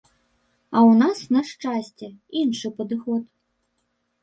А ў нас, на шчасце, іншы падыход.